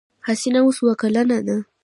حسينه اوس اوه کلنه ده.